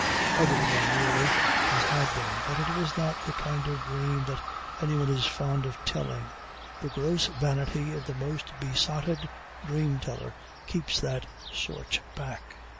Everyone, nearly, has had them, but it is not the kind of dream that anyone is fond of telling: the gross vanity of the most besotted dream teller keeps that sort back.